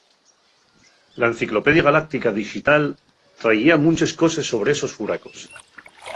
La enciclopedia galáctica dixital trayía munches coses sobre esos furacos.